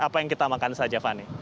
apa yang kita makan saja fani